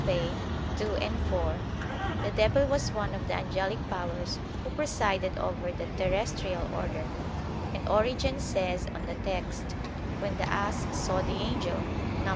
ii, 4): "The devil was one of the angelic powers who presided over the terrestrial order"; and Origen says on the text, "When the ass saw the angel" (Num.